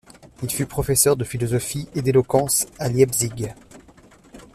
Il fut professeur de philosophie et d'éloquence à Leipzig.